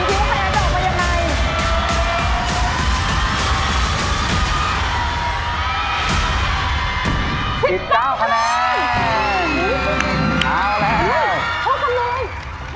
เพิ่มขึ้นเลย